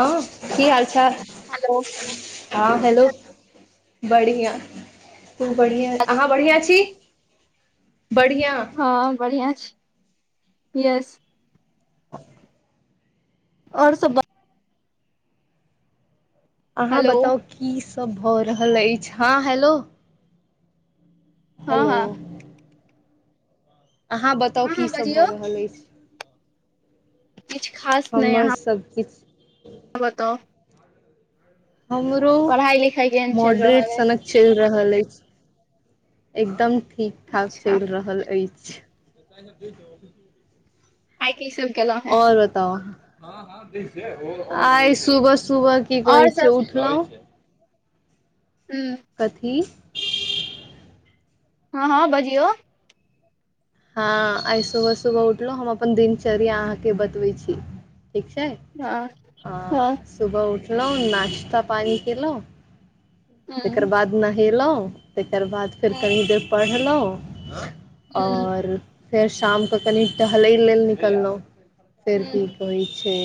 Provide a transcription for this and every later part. हँ की हाल छ हेलो हँ हेलो बढ़िआं खूब बढ़िआं अहाँ बढ़िआं छी बढ़िआ हँ बढ़िआँ छै यस [unintelligible] आओर सब अहाँ हेलो बताउ की सब भऽ रहल अछि हँ हेलो हँ हेलो हँ अहाँ बताउ हँ की हँ सब बजियौ भऽ रहल अछि किछु हमर सभकिछु आओर बताउ हमरो पढ़ाई लिखाई केहन चलि मॉडरेट रहल है सनक चैल रहल अछि एकदम ठीक ठाक अच्छा चैल रहल अछि [inaudible] आइ की सब केलैहु आओर बताउ आहाँ आइ सुबह सुबह की और कहै छै सब उठलहुँ हूँ कथी हँ हँ बजियौ हँ आइ सुबह सुबह उठलहुँ हम अपन दिनचर्या अहाँके बतबै छी ठीक छै हँ आ हँ सुबह उठलहु नश्ता पानी कलहु तेकर ह बाद नहे लो तेकर बाद फेर कनी देर पढ़लहुँं आओर फेर शामके कनि टहलै लेल निकललहुँ फेर की कहै छै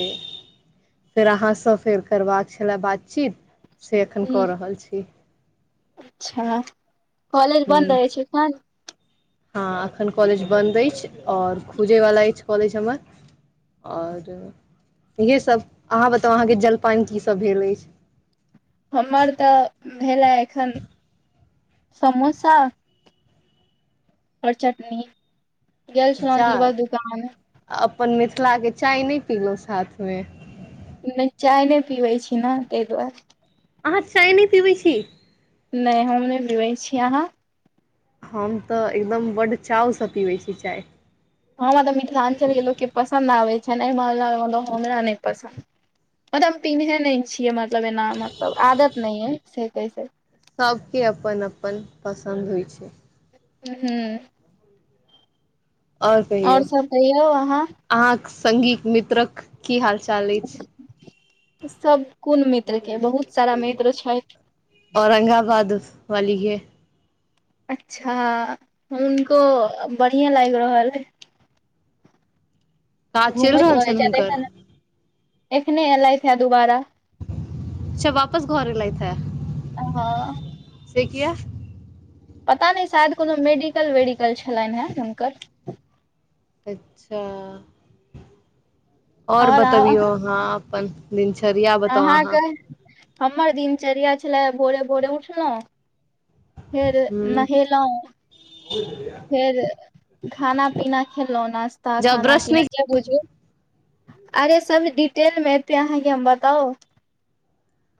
फेर अहाँसँ फेर करबाक छलए बातचीत से एखन कऽ रहल छी अच्छा कॉलेज बन्द हुँ, अछि अखन हँ एखन कॉलेज बन्द अछि आओर खुजयवला अछि कॉलेज हमर आओर इएहेसभ अहाँ बताउ अहाँके जलपान की सभ भेल अछि हमर तऽ भेलै एखन समोसा आओर चटनी गेल छलहुँ चाह जीवछ दुकान आने अपन मिथिलाके चाय नहि पीलहुँ साथमे नहि चाय नइ पीबै छी नऽ ताहि दुआरे अहाँ चाय नहि पीबैत छी नहि हम नहि बीबै छी अहाँ हम तऽ एकदम बड्ड चावसँ पीबै छी चाय हमरा तऽ मिथिलाञ्चल के लोकके पसन्द आबै छै एहि मामला मे तऽ हमरा नहि पसन्द मतलब हम पिन्हे नहि छियै मतलब एना मतलब आदत नहि य से कैह सभके अपन अपन पसन्द होइ छै हूँ हूँ आओर कहियौ सब कहियौ अहाँ अहाँक संगीक मित्रक की हाल चाल अछि सब कोन मित्रके बहुत सारा मित्र छै औरंगाबाद वाली है अच्छा हुनको बढ़िआँ लागि रहल हइ काज चलि घूमैत रहल छनि रहैत छै हुनकर एखन एखने एलैथ हे दुबारा अच्छा वापस घर एलैथ ह हँ से किया पता नहि शायद कोनो मेडिकल वेडिकल छलैन हँ हुनकर अच्छा आओर बतबियौ अहाँ अपन दिनचरिर्या अहाँके हमर दिनचर्या छले भोरे भोरे उठलहु फेर हूँ नहेलहुँ [inaudible] फेर खाना पीना खेलहुँ नाश्ता जब खाना ब्रश नहि पीना जे बुझू अरे सब डिटेलमे एतै अहाँके हम बताउ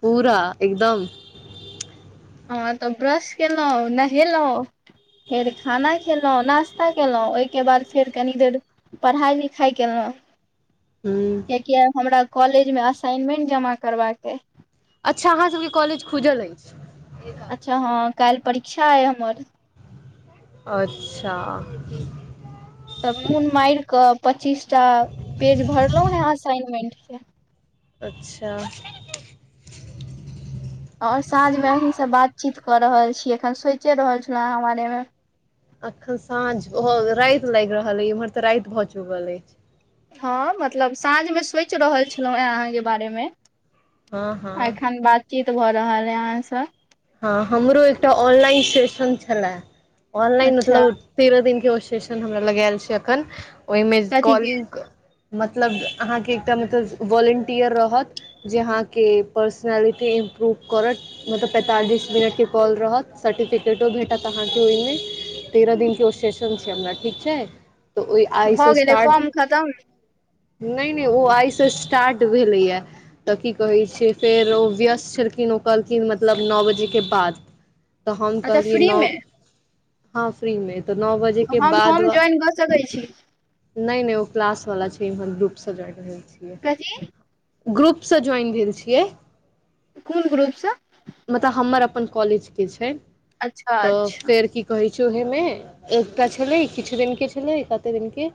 पूरा एकदम हँ तऽ ब्रश केलहुँ नहेलहुं फेर खाना खेलहुं नाास्ता केलहुँ ओहिके बाद फेर कनि देर पढ़ाइ लिखाइ केलहुँ ह कियकि आय हमरा कॉलेज मे असाइनमेंट जमा करबाक ये अच्छा अहाँ सबके कॉलेज खुजल अछि अच्छा हँ काल्हि परीक्षा अइ हमर अच्छा तब मून माइर के पच्चीस टा पेज भरलो हे असाइनमेंट के अच्छा ओर साँझ मे अहीं से बातचीत क रहल छीै अखन सोचे रहल छल अहाँ बारे मे अखन साँझ भ राति लागि रहल अछि एम्हर तऽ राति भऽ चुकल अछि हँ मतलब साँझमे सोचि रहल छलहुँ हेँ अहाँके बारे में हँ हँ एखन बातचीत भऽ रहल अय अहाँ स हँ हमरो एकटा ऑनलाइन सेशन छलए ऑनलाइन अच्छा मतलब तेरह दिनक के ओ सेशन हमरा लग आयल छै अखन ओइमे कथी के कॉलिंग मतलब अहाँके एकटा मतलब वोलेंटिियर रहत जे अहाँके पर्सनलिटी इम्प्रूव करत मतलब पैंतालीस मिनटके कॉल रहत सर्टिफिकेटो भेटत अहाँके ओहिमे तेरह दिन के ओ सेशन छै हमरा ठीक छै तऽ ओ आइ स भऽ गेलै स्टार्ट फॉर्म खतम नहि नहि ओ आइसँ स्टार्ट भेलैया तऽ की कहै छै फेर ओ व्यस्त छलखिन ओ कहलखिन मत मतलब नओ बजेके बाद तऽ हम अच्छा कहलियै फ्री नओ मे हँ फ्री में तऽ नओ बजे के बाद व की क सकै छी नहि नहि ओ क्लास वाला छै इम्हर ग्रुप स ज्वाइन होइ छै कथी ग्रुप सँ ज्वाइन भेल छियै कोन ग्रुप सँ मतलब हमर अपन कॉलेज के छै अच्छा तऽ अच्छा फेर की कहै छै ओहे मे एकटा छलै किछु दिन के छलै कते दिन के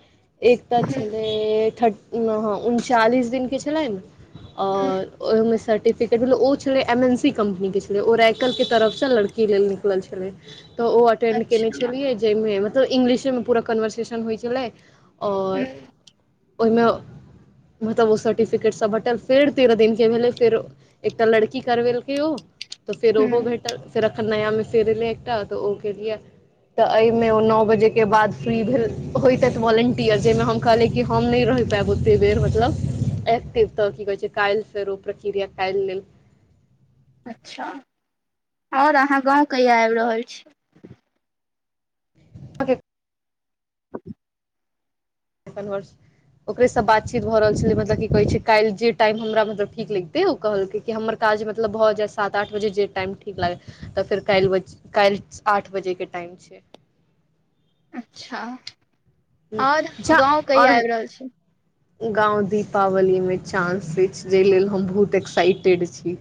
एकटा छलै से थटी हँ उनचालिस दिनके छलनि हूँ और ओहि सर्टिफिकेट मतल ओ छलै एम एन कमनी के छल ओ रकल के तरफ से लड़की लेल निकल छलै तऽ ओ अटेंड केने अच्छा छलिय जाहिमे मतलब इंग्लिशेमे पूरा कन्वर्सेशन होइ छलै आओर ओहिमे मतलब ओ सर्टिफिकेट सब हटल फेर तेरह दिन के भेले फेर एकटा लड़की करवेल के ओ तऽ फेर ओहो हूँ भेटल फेर एखन नया मे फेर एलै एकटा तऽ ओ केलियै तऽ एहिमे ओ नओ बजे के बाद फ्री भेल होइत अछि वोलेंटियर जाहिमे हम कहली कि हम नहि रहि पायब ओते बेर मतलब एकटि तऽ की कहै छै काइल स रू प्रक्रिया कालल लेल अच्छा आओर अहाँ गाँव कहिया आबि रहल छी आ के कनभर्स ओकरे से बातचीत भऽ रहल छलै मतलब की कहे छै काल् जे टाइम हमरा मतलब ठीक लगते ओ कहलकै कि हमर काज मतलब भऽ जाए सात आठ बजे जे टाइम ठीक लागै तऽ फेर काल्हि काल्हि आठ बजेके टाइम छै अच्छा आओर गाँव कहि आबि रहल छी? गांव दीपावली मे चानंस अछि जाहि लेल हम बहुत एक्साइटेड छी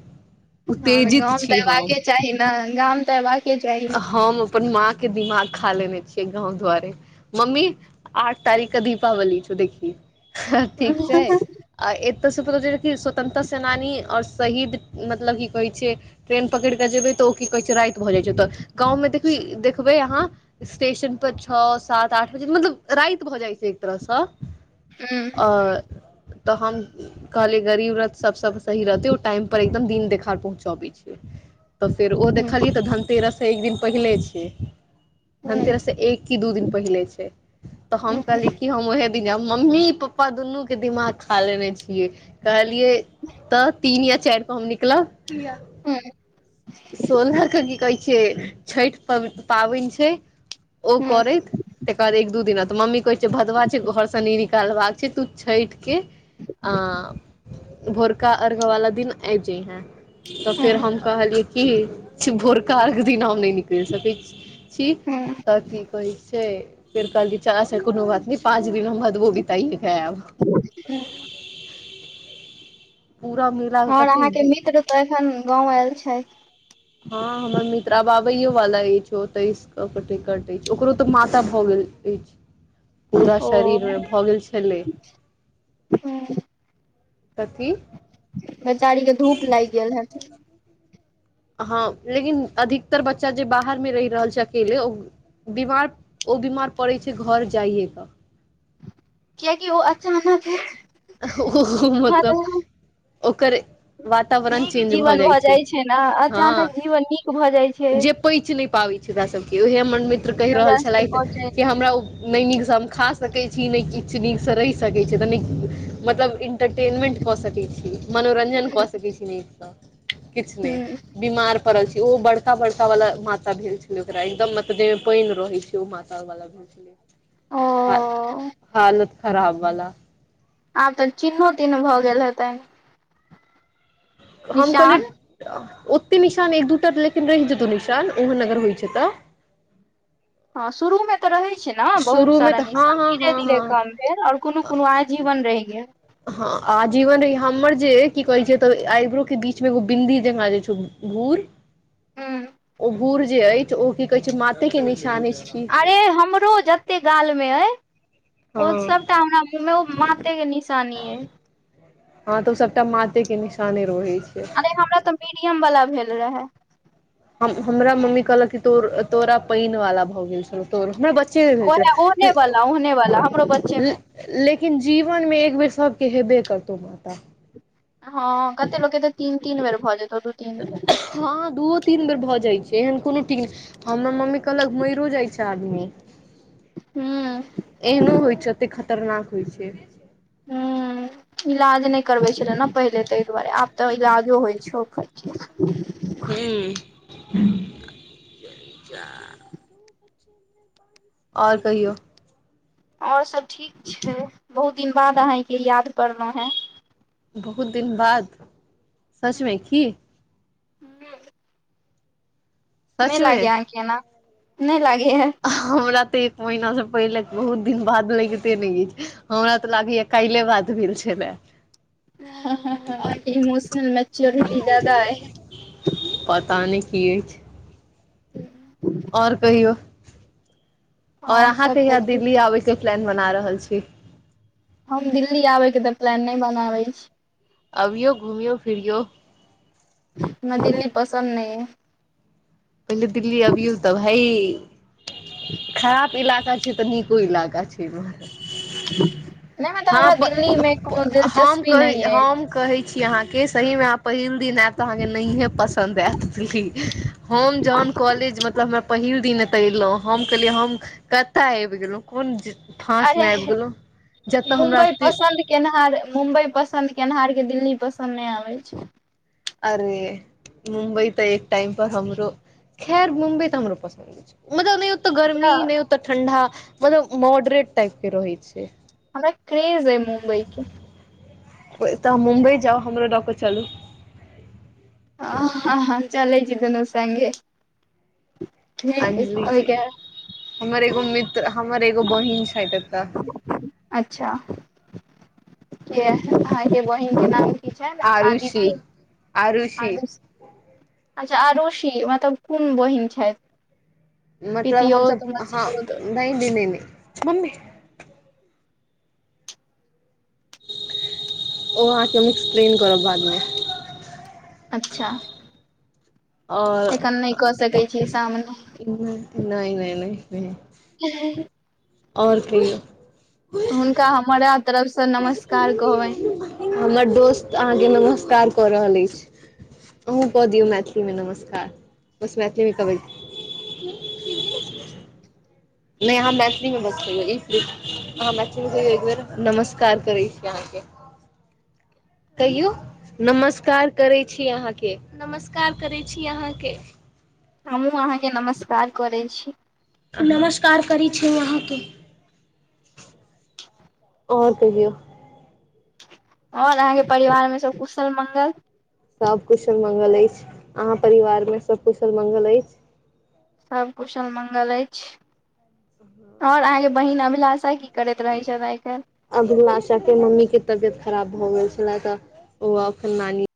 हँ तऽ गाम उत्तेजित तऽ छी हम अयबाके चाही न गाम तऽ अयबाकेँ चाही हम अपन माँ के दिमाग खा लेने छियै गाँंव दुआरे मम्मी आठ तारीख क दीपावली छौ देखी ठीक छै आ एतयसँ प स्वतंत्र सेनानी आओर शहीद मतलब की कहै छै ट्रेन पकड़ि कऽ जेबै तऽ ओ की कहै छै राति भऽ जाइ छै तऽ गाँवमे देखबी देखबै अहाँ स्टेशन पर छओ सात आठ बजे मतलब राति भऽ जाइ छै एक तरह सँ आओर तऽ हम कहलियै गरीब रथ सभ सब सही रहतै ओ टाइम पर एकदम दिन देखार पहुँचाबै छैै तऽ फेर ओ देखलियै तऽ धनतेरस सँ एक दिन पहिले छियै धनतेरस से एक की दू दिन पहिले छै तऽ हम कहलिय कि हम ओहे मम्मी पप्पा दुन्नू के दिमाग खा लेने छियै कहलियै तऽ तीन या चारि क हम निकलब सोलहाक के की कहै छियै छठि प पाबनि छै ओ करैत तकर बाद एक दू दिना तऽ मम्मी कहैत छै भदवा छै घरसँ न निकालबाक छै तू छठि क आ भोरका अर्घ्य वला दिन आइब जइहैं तऽ फेर हम कहलियै कि भोरका दिन हम नै निकलि सकैत छी तऽ की कहैत छै फेर कहलके चल कोनो बात नहि पाँच भी भगवदो वो बीताइए खैब [unintelligible] पूरा [unintelligible] आर अहाँके बी मित्र तऽ एखन गाँव आयल छथि हँ हमर मित्र आब आबैयो वाला अछि ओ तेइस क ओकर टिकट अछि ओकरो तऽ माता भऽ गेल अछि पूरा ओ शरीर मे भऽ गेल छलै कथी बेेचारी के धूप लागि गेल हैत हँ लेकिन अधिकतर बच्चा जे बाहर मे रहि रहल छै अकेले ओ बीमार ओ बीमार पड़ै छै घर जाइयएकेऽ कियाकि ओ अचानके ओ मतलब ओकरे वातावरण नीक चेंज भऽ जीवन जाइ छै ने अचानक जीवन नीक भऽ जाइ छै हँ जे पचि नहि पाबै छै ओरा सबके ओहे हमर मित्र कहि हमरा रहल सबके छलथि पहुँचे कि हमरा ओ नहि नीक से हम खा सकै छी नहि किछु नीक से रहि सकैत छी तऽ नहि मतलब इंटरटेनमेंट कऽ सकैत छी मनोरंजन कऽ सकैत छी नीकसँ किछु नहि बीमार पड़ल छै ओ बड़का बड़का वाला माता भेल छलै ओकरा एकदम मतलब जेमे पानि रहे छै ओ माता ओ हा हालत खराब वाला आब तऽ चिन्हों तीन्ह भऽ गेल हेतनि हम निशान कहलियै ओतेक निशान एक दू टा लेकिन रहि जेतहु निशान ओहन अगर होइत छै तऽ हँ शुरू में तऽ रहे छै ने बहुत शुरूमे सारा न तऽ हँ हँ धीरे हँ धीरे हँ कम भेल आऔर कोनो कोनो आजीवन रहि गेल हँ आ जीवन र हमर जे की कहे छै त आईब्रो के बीच मे एगो बिन्दी जका जे छै घूर हूँ ओ भूर जे अछि ओ की कहै छै मााते के निशान अछि की अरे हमरो जते गाल में हय ओ हँ सबटा हमरा मु मे मााते के नि सानी अ हँ तऽ ओ सबटा मााते के निशान रहे छै नै हमरा तऽ मीडियम वाला भेल रहे हम हमरा मम्मी कहलक क तो तोरा पानि वाला भऽ गेल छलौ तोर हमरा बच्चे भेल ओहे ओहने छल वाला ओहने वाला हमरो बच्चे मे लेकिन जीवन मे एक बेर सबके हेबे करतौ माता हँ कते लोक के तऽ तीन तीन बेर भऽ जेतौ दू तीन बेर हँ दूओ तीन बेर भऽ जाइ छै एहन कोनो ठीक नहि हमर मम्मी कहलक मरियो जाइ छै आदमी हूँ एहनो होइत छै ओते खतरनाक होइत छै हूँ इलाज नहि करबै छलै ने पहिले ताहि दुआरे आब तऽ इलाजो होइ छै ओकर ह आओर कहियौ आओर सब ठीक छै बहुत दिन बाद अहाँके याद करलहुॅं हें बहुत दिन बाद सचमे की ह्म नहि सचमे लागै अहाँके एना नहि लागै ह हमरा ते एक महिना से पहिले बहुत दिन बाद लगिते नहि अछि हमरा तऽ लागैया कैले बात भेल छलाह ह ह ह इमोशनल मेच्योरिटी जादा अइ पता नहि की अछि और कहियौ और आओर अहाँ सब तऽ कहिया ठीक दिल्ली आबे के प्लान बना रहल छी हम दिल्ली आबैके तऽ प्लान नहि बनाबै छी अबियौ घुमियौ फिरियौ हमरा दिल्ली पसन्द नहि अइ पहिले दिल्ली अबियौ तब भई खराब इलाका छै तऽ नीको इलाका छै इम्हर नहि मतलब हँ हमरा प दिल्ली मे प कोनो हम दिलचस्पी कहै नहि अइ हम कहै छी अहाँके सहीमेहाँ पहिल दिन आयब तऽ अहाँके नहिये पसन्द आयत दी हम जहन कॉलेज मतलब हमरा पहिल दिन एते एयलो हम कहलिये हम कतय आबि गेलहुं कोन फाँस अरे मे आबि गेलहु जतय हमरा सि केनहार मुम्बई पसन्द केनहारके दिल्ली पसन्द नहि आबै छै अरे मुम्बई त एक टाइम पर हमरो खैर मुंबई तऽ हमरो पसन्द मतलब नहि ओते गर्मी हमरा नहि ओते ठंडा मतलब मॉडरेट टाइप के रहै छै हमरा क्रेज है मुम्बई के तऽ मुम्बइ जाउ हमरो लऽ कऽ चलू आ ह चलै छी दुने सगे अंजलि छी ओहिके हमर एगो मित्र हमर एगो बहिन छथि एतऽ अच्छा य ह ये बहिन के नाम की छैन आदिति आरुषी आरो अच्छा अड़ोसी मतलब कोन बहिन छथि मतलब हमस पितियोत हाँ मसियौत नहि दने नहि मम्मी ओ अहाँके हम एक्सप्लेन करब बादमे अच्छा एखन नहि कऽ सकै छी सामने इ नहि नहि नहि ह ओर कहियो हुनका हमरा तरफसँ नमस्कार कहबनि हमर दोस्त अहाँके नमस्कार कऽ रहल अछि अहूँ कऽ दियौ मैथिलीमे नमस्कार बस मैथिलीमे कबय ठीक नहि अहाँ मैथिली में बस अहाँ मैथिली मे कहियो एक बेर नमस कार करै छी अहाँके कहियौ नमस्कार करै छी अहाँके नमस्कार करै छी अहाँके हमहहुँ अहाँके नमस्कार करैत छी नमस्कार करै छी हम अहाँके ओर कहियौ आओर अहाँके परिवार मे सब कुशल मंगल सब कुशल मंगल अछि अहां परिवार में सब कुशल मंगल अछि सब कुशल मंगल अछि आओर अहाँके बहिन अभिलाषा की करैत रहै छथि आइ काल्हि अभिलाषा के मम्मी के तबियत खराब भऽ गेल छले तऽ ओ एखन नानी